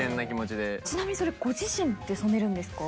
ちなみにそれご自身で染めるんですか？